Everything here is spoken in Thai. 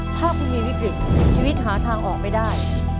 ถ้าคุณมีวิกฤตชีวิตหาทางออกไม่ได้